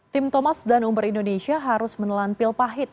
tim thomas dan umber indonesia harus menelan pil pahit